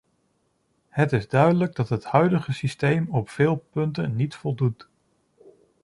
Het is duidelijk dat het huidige systeem op veel punten niet voldoet.